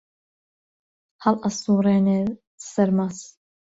هەڵ ئەسووڕێنێ سەرمەس